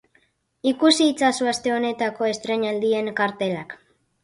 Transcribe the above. Ikusi itzazu aste honetako estreinaldien kartelak.